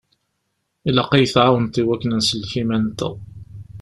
Ilaq ad yi-tɛawneḍ i wakken ad nsellek iman-nteɣ.